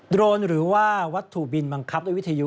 โรนหรือว่าวัตถุบินบังคับด้วยวิทยุ